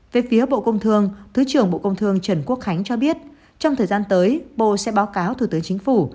về phía bộ công thương thứ trưởng bộ công thương trần quốc khánh cho biết trong thời gian tới bộ sẽ báo cáo thủ tướng chính phủ